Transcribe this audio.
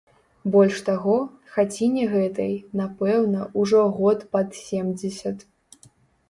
Больш таго, хаціне гэтай, напэўна, ужо год пад семдзесят.